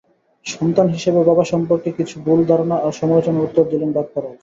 সন্তান হিসেবে বাবা সম্পর্কে কিছু ভুল ধারণা আর সমালোচনার উত্তর দিলেন বাপ্পারাজ।